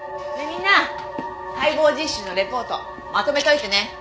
みんな解剖実習のリポートまとめといてね。